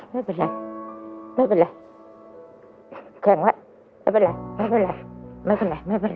ไม่เป็นไรไม่เป็นไรแข่งไว้ไม่เป็นไรไม่เป็นไรไม่เป็นไร